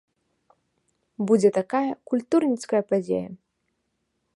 Будзе такая культурніцкая падзея.